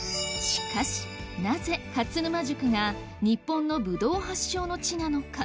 しかしなぜ勝沼宿が日本のブドウ発祥の地なのか？